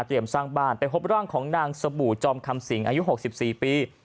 สร้างบ้านไปพบร่างของนางสบู่จอมคำสิงอายุ๖๔ปี